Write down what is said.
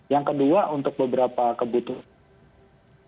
yang kedua untuk beberapa kebutuhan